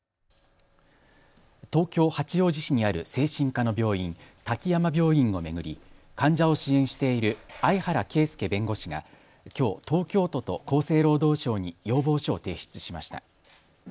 東京八王子市にある精神科の病院、滝山病院を巡り患者を支援している相原啓介弁護士がきょう東京都と厚生労働省に要望書を提出しました。